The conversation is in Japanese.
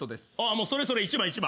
もうそれそれ１番１番。